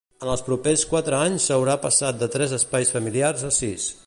En els propers quatre anys, s'haurà passat de tres espais familiars a sis.